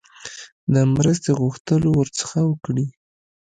د مرستې غوښتنه ورڅخه وکړي.